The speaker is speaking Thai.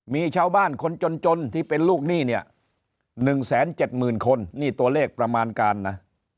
มีชาวบ้านคนจนที่เป็นลูกหนี้เนี่ย๑๗๐๐คนนี่ตัวเลขประมาณการนะ